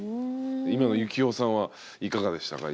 今のユキヒョウさんはいかがでしたか？